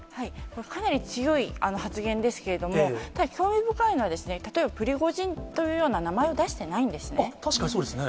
かなり強い発言ですけれども、ただ、興味深いのはですね、例えばプリゴジンというような名確かにそうですね。